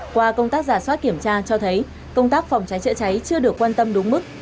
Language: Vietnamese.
qua công tác giả soát kiểm tra cho thấy công tác phòng cháy chữa cháy chưa được quan tâm đúng mức